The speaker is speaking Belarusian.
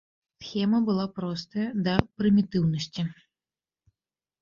Схема была простая да прымітыўнасці.